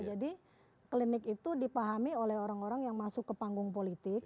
jadi klinik itu dipahami oleh orang orang yang masuk ke panggung politik